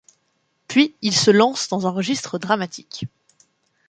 Puis il se lance dans un registre dramatique.